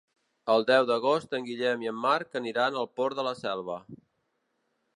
El deu d'agost en Guillem i en Marc aniran al Port de la Selva.